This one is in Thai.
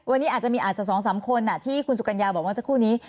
วันนี้อาจจะมีอาจจะ๒๓คนที่คุณสุกัญญาบอกเมื่อสักครู่นี้